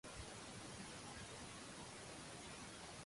东莞黐住广州